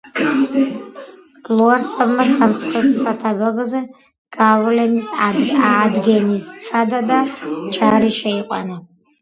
ლუარსაბმა სამცხე-სააᲗაბაგოზე გავლენის ადგენს სცადა და ჯარი Შეიყვანა.